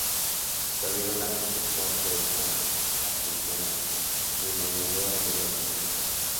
Su amigo la presentó al poeta Apollinaire, quien la llevó al taller de Picasso.